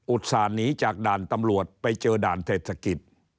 อุตส่านีจากด่านตำรวจไปเจอด่านเทศกิจ